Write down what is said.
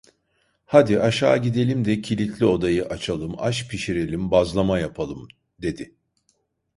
Hadi, aşağı gidelim de kilitli odayı açalım, aş pişirelim, bazlama yapalım… dedi.